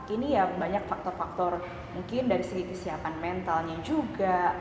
ini ya banyak faktor faktor mungkin dari segi kesiapan mentalnya juga